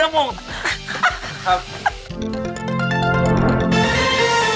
จมูกน้องไม่เป็นไรเลย